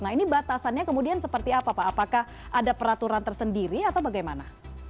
nah ini batasannya kemudian seperti apa pak apakah ada peraturan tersendiri atau bagaimana